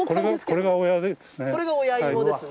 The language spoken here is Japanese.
これが親ですね。